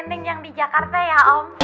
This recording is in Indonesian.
neng neng yang di jakarta ya om